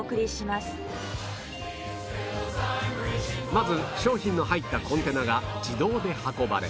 まず商品の入ったコンテナが自動で運ばれ